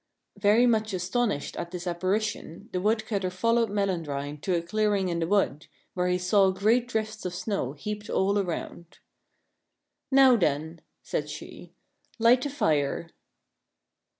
Very much astonished at this apparition, the wood cutter followed Melandrine to a clearing in the wood, where he saw great drifts of snow heaped all around. " Now, then," said she, "light a fire."